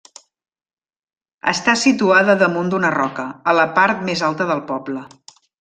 Està situada damunt d'una roca, a la part més alta del poble.